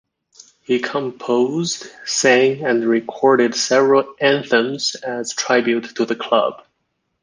He composed, sang and recorded several anthems as tribute to the club.